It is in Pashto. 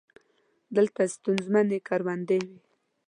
دلته ستونزمنې کروندې وې.